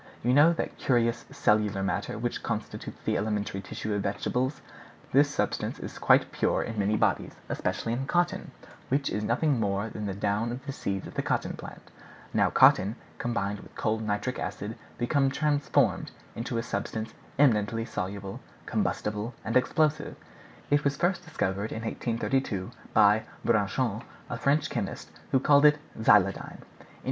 You know that curious cellular matter which constitutes the elementary tissues of vegetable? This substance is found quite pure in many bodies, especially in cotton, which is nothing more than the down of the seeds of the cotton plant. Now cotton, combined with cold nitric acid, become transformed into a substance eminently insoluble, combustible, and explosive. It was first discovered in 1832, by Braconnot, a French chemist, who called it xyloidine.